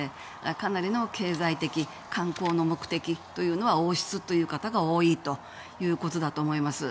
かなりの経済的観光の目的というのは王室という方が多いということだと思います。